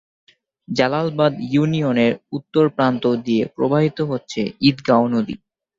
জালালাবাদ ইউনিয়নের উত্তর প্রান্ত দিয়ে প্রবাহিত হচ্ছে ঈদগাঁও নদী।